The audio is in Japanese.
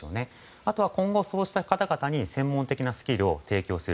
あとは今後そうした方々に専門的なスキルを提供する。